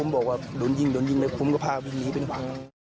บอกว่าดูนยิงได้ปุ้มก็พาวิ่งนี้ไปกัน